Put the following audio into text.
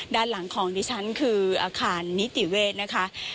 ด้านหลังของดิฉันคืออาคารนิติเวศนะคะ